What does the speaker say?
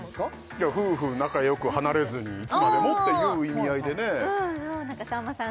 いや夫婦仲よく離れずにいつまでもっていう意味合いでねさんまさん